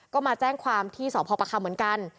ก็มาแจ้งความที่สพประคัมเหมือนกัน